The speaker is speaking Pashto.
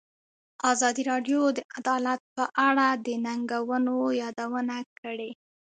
ازادي راډیو د عدالت په اړه د ننګونو یادونه کړې.